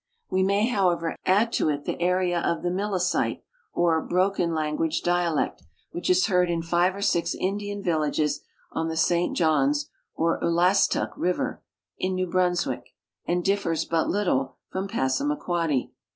We may, however, add to it tlie area of the Milicite or '"Broken language " dialect, which is heard in five or six Indian villages on the St Johns or Ulastuk river, in New Brunswick, and differs but little from Passamaquoddy.